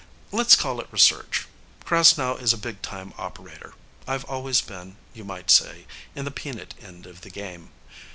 Let's call it research. Krasnow is a big time operator; I've always been, you might say, in the peanut end of the game.